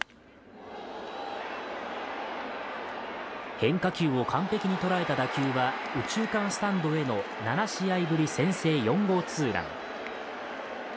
変化球を完璧に捉えた打球は右中間スタンドへの７試合ぶり先制４号ツーラン。